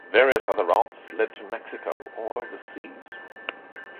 Various other routes led to Mexico or overseas.